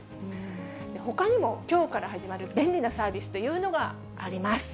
ほかにも、きょうから始まる便利なサービスというのがあります。